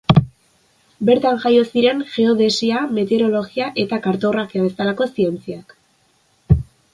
Bertan jaio ziren geodesia, meteorologia eta kartografia bezalako zientziak.